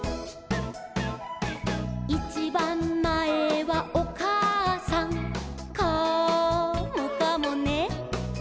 「いちばんまえはおかあさん」「カモかもね」